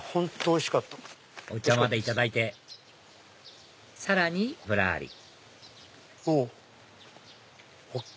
お茶までいただいてさらにぶらりおっ！